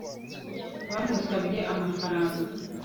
bamusabye amafaranga